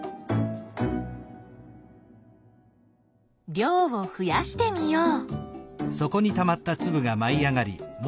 量をふやしてみよう。